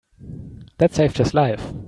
That saved his life.